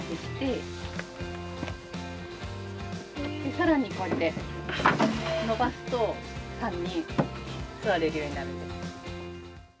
更にこれで伸ばすと３人座れるようになるんです。